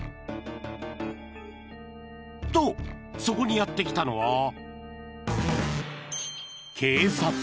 そこにやって来たのは］